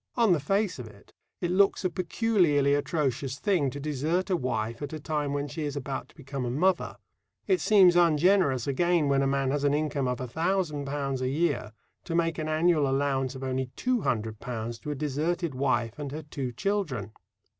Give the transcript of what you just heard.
On the face of it, it looks a peculiarly atrocious thing to desert a wife at a time when she is about to become a mother. It seems ungenerous, again, when a man has an income of £1,000 a year to make an annual allowance of only £200 to a deserted wife and her two children.